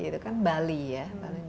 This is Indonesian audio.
itu kan bali ya